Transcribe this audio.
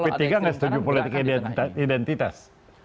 p tiga tidak setuju politik identitas